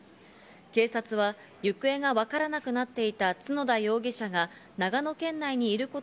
警察は行方がわからなくなっていた角田容疑者が長野県内にいるこ